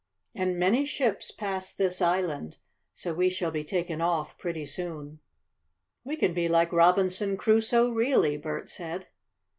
And many ships pass this island, so we shall be taken off pretty soon." "We can be like Robinson Crusoe, really," Bert said.